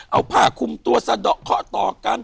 เอาผ้าคุมตัวจะแตะข้อต่อการ